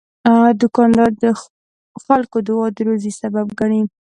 دوکاندار د خلکو دعا د روزي سبب ګڼي.